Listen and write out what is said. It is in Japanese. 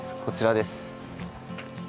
こちらです。